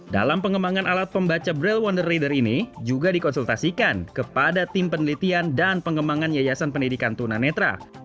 dalam pengembangan alat pembaca braille wonder reader ini juga dikonsultasikan kepada tim penelitian dan pengembangan yayasan pendidikan tunanetra